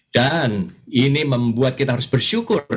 dan ini membuat kita harus bersyukur